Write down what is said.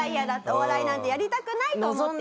お笑いなんてやりたくないと思っていました。